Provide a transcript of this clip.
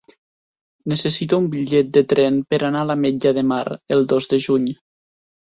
Necessito un bitllet de tren per anar a l'Ametlla de Mar el dos de juny.